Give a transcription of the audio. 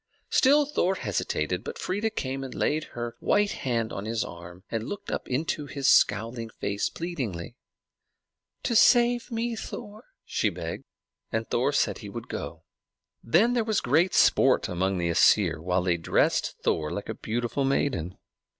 Still Thor hesitated; but Freia came and laid her white hand on his arm, and looked up into his scowling face pleadingly. "To save me, Thor," she begged. And Thor said he would go. Then there was great sport among the Æsir, while they dressed Thor like a beautiful maiden.